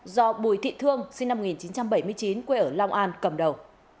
do bùi thị thương sinh năm một nghìn chín trăm bảy mươi chín quê ở long an cầm đầu